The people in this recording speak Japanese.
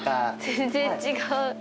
全然違う。